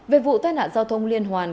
về vụ tai nạn giao thông liên hoàn